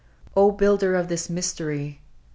" O builder of this mystery !